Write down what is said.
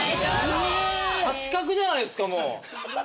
勝ち確じゃないですかもう。